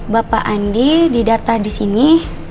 bapak andi didata disini